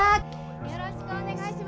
よろしくお願いします。